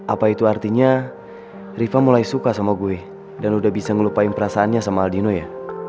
apa itu artinya riva mulai suka sama gue dan udah bisa ngelupain perasaannya sama aldino ya